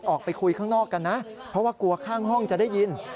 ออกไปคุยข้างนอกกันนะเพราะว่ากลัวข้างห้องจะได้ยิน